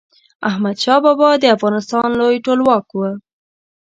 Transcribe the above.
احمد شاه بابا د افغانستان لوی ټولواک و.